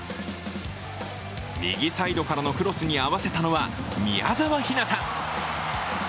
右サイドからのクロスに合わせたのは宮澤ひなた。